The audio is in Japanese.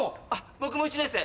僕も１年生。